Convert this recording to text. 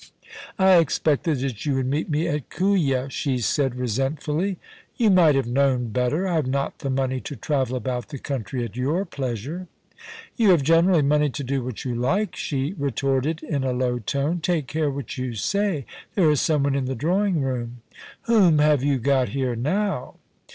' I expected that you would meet me at Kooya,' she said, resentfiiUy. * You might have known better. I have not the money to travel about the country at your pleasure.' 'You have generally money to do what you like,' she retorted in a low tone. * Take care what you say : there is some one in the 'drawing room.' * Whom have you got here now